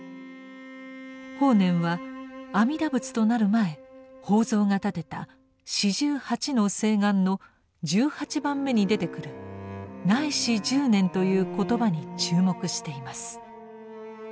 法然は阿弥陀仏となる前法蔵が立てた４８の誓願の１８番目に出てくる「乃至十念」という言葉に注目しています。